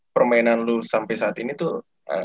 permainan lo sampai saat ini tuh